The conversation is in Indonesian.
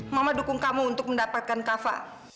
mama dukung kamu untuk mendapatkan kafa